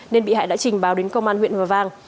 nên bị hại đã trình báo đến công an huyện hòa vang